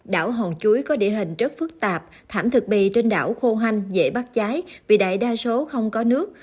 đảo hòn chuối có địa hình rất phức tạp thảm thực bì trên đảo khô hanh dễ bắt cháy vì đại đa số không có nước